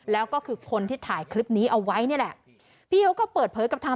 แล้วก็คือคนที่ถ่ายคลิปนี้เอาไว้นี่แหละพี่เขาก็เปิดเผยกับทาง